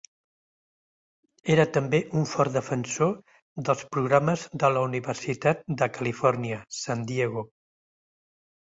Era també un fort defensor dels programes de la Universitat de Califòrnia, San Diego.